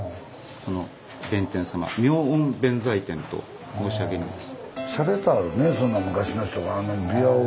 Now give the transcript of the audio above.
この弁天様妙音弁財天と申し上げるんです。